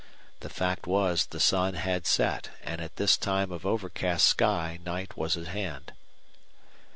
The fact was the sun had set, and at this time of overcast sky night was at hand.